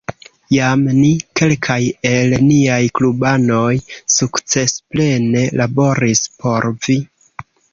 Jam ni, kelkaj el niaj klubanoj, sukcesplene laboris por vi.